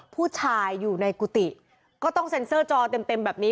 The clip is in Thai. ผู้ชายอยู่ในกุฏิก็ต้องเซ็นเซอร์จอเต็มแบบนี้